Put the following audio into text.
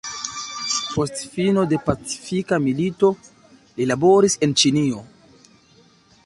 Post fino de Pacifika Milito, li laboris en Ĉinio.